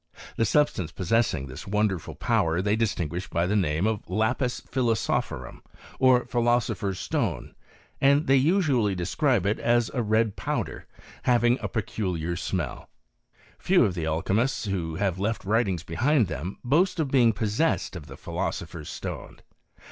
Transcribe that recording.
The substance possessing this wonderful power they distinguish by the name of Iqpi&^philosopkorum, or, philosopher's stone, and they usually describe it as a red powder, havinff a peculiar smell. Few of the alchymists who have left writings behind them boast of being pos •ened of the philosopher's stone.